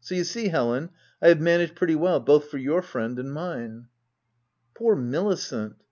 So you see, Helen, I have managed pretty well, both for your friend and mine." Poor Milicent